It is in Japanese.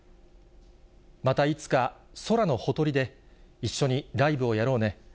またいつか空のほとりで一緒にライブをやろうね。